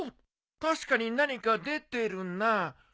確かに何か出てるな。